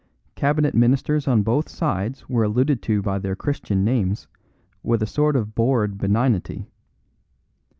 Cabinet ministers on both sides were alluded to by their Christian names with a sort of bored benignity.